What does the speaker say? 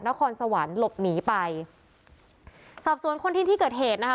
นครสวรรค์หลบหนีไปสอบสวนคนที่ที่เกิดเหตุนะคะ